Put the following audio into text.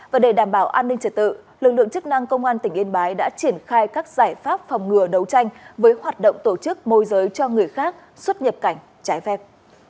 và để đảm bảo an ninh trật tự lực lượng chức năng công an tỉnh yên bái đã triển khai các giải pháp phòng ngừa đấu tranh với hoạt động tổ chức môi giới cho người khác xuất nhập cảnh trái phép